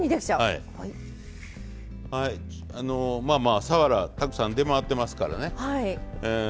まあまあさわらたくさん出回ってますからね。